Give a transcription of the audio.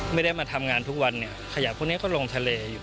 ไม่ได้มาทำงานทุกวันเนี่ยขยะพวกนี้ก็ลงทะเลอยู่